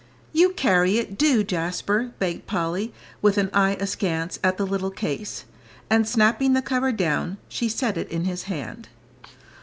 "You carry it, do, Jasper," begged Polly, with an eye askance at the little case; and snapping the cover down, she set it in his hand.